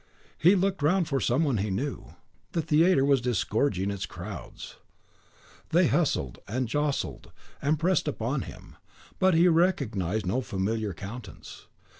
He looked round for some one he knew: the theatre was disgorging its crowds; they hustled, and jostled, and pressed upon him; but he recognised no familiar countenance.